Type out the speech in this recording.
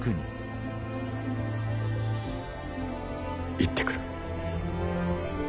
行ってくる。